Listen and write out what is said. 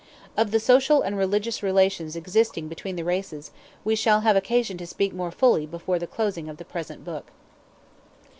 Of the social and religious relations existing between the races, we shall have occasion to speak more fully before closing the present book.